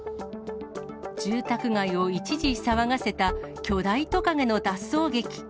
住宅街を一時、騒がせた、巨大トカゲの脱走劇。